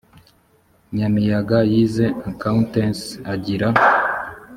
nyamiyaga yize accountancy agira